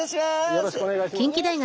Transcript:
よろしくお願いします。